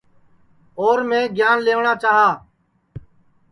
اور میں گیان لئیوٹؔا چاہی